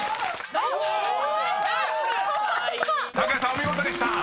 お見事でした］